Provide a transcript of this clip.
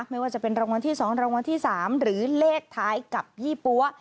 ไม่ว่าจะเป็นรางวัลที่๒รางวัลที่๓หรือเลขท้ายกับยี่ปั๊ว